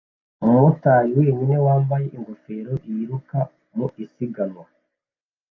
umumotari wenyine wambaye ingofero yiruka mu isiganwa